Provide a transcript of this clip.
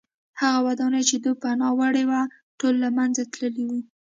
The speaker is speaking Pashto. هغه ودانۍ چې دوی پناه وړې وه ټوله له منځه تللې وه